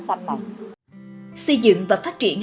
xây dựng và phát triển